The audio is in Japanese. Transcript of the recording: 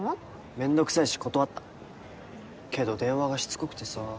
面倒くさいし断ったけど電話がしつこくてさ。